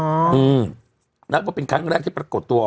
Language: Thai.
มองมันยังไงให้เป็นอะไรอย่างนี้ค่ะ